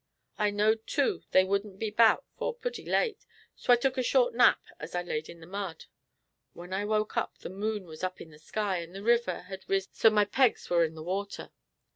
I knowed, too, they wouldn't be 'bout 'fore purty late, so I took a short nap as I laid in the mud. When I woke up the moon war up in the sky, and the river had riz so my pegs war in the water.